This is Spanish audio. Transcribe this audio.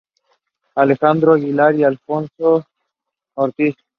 Alejandro Aguilar y Alfonso Ortiz.